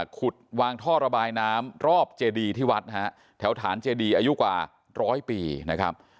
ขุดวางท่อระบายน้ำรอบเจดีที่วัดนะฮะแถวฐานเจดีอายุกว่าร้อยปีนะครับ